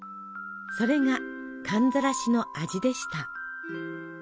それが寒ざらしの味でした。